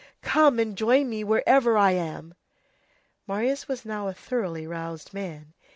Come and join me wherever I am." Marius was now a thoroughly roused man.